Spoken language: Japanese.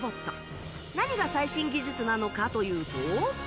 何が最新技術なのかというと